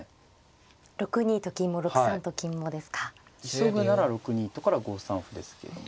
急ぐなら６二とから５三歩ですけども。